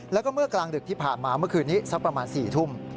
แล้วก็เมื่อกลางดึกที่ผ่านมาเมื่อคืนนี้สักประมาณ๔ทุ่ม